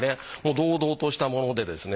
堂々としたものでですね